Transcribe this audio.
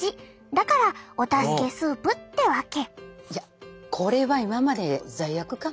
だからお助けスープってわけ。